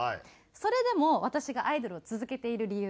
それでも私がアイドルを続けている理由